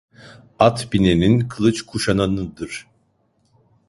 At binenin kılıç kuşananındır.